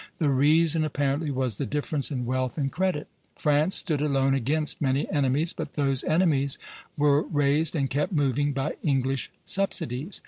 The reason apparently was the difference in wealth and credit. France stood alone against many enemies; but those enemies were raised and kept moving by English subsidies.